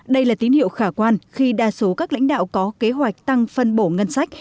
đây là tín hiệu khả quan khi đa số các lãnh đạo có kế hoạch tăng phân bổ ngân sách